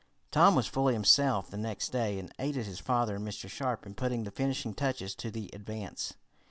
Tom was fully himself the next day, and aided his father and Mr. Sharp in putting the finishing touches to the Advance.